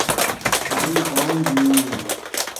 咪講住